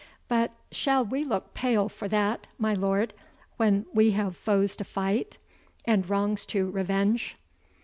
But shall we look pale for that, my lord, when we have foes to fight, and wrongs to revenge?"